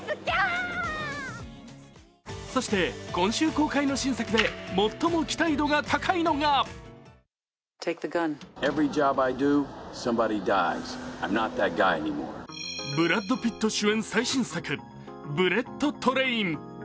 そして、今週公開の新作で最も期待度が高いのがブラッド・ピット主演最新作「ブレット・トレイン」。